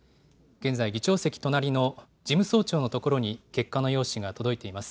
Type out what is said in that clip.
現在、議長席隣の事務総長のところに結果の用紙が届いています。